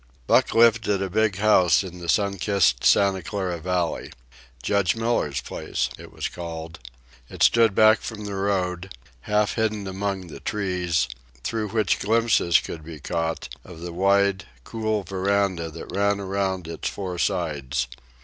Buck lived at a big house in the sun kissed Santa Clara Valley. Judge Miller's place, it was called. It stood back from the road, half hidden among the trees, through which glimpses could be caught of the wide cool veranda that ran around its four sides.